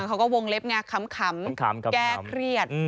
เขาก็วงเล็บไงขำแก้เครียด